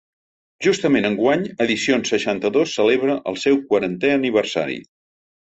Justament enguany Edicions seixanta-dos celebra el seu quarantè aniversari.